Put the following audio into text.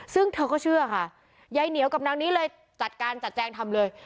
ซึ่งเธอก็เชื่อค่ะยายเหนียวกับนางนี้เลยจัดการจัดแจงทำเลย